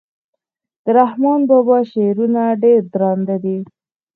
د رحمان بابا شعرونه ډير درانده دي.